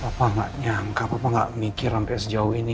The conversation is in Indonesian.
papa gak nyangka papa gak mikir sampai sejauh ini